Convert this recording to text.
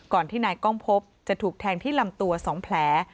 ที่นายกล้องพบจะถูกแทงที่ลำตัว๒แผล